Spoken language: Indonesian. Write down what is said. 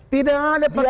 tidak ada percaya